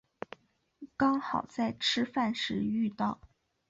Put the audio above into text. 刚好在吃饭时遇到